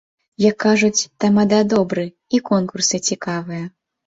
Як кажуць, тамада добры, і конкурсы цікавыя.